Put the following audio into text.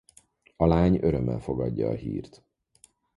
A lány örömmel fogadja a hírt.